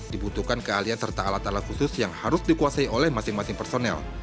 dibutuhkan keahlian serta alat alat khusus yang harus dikuasai oleh masing masing personel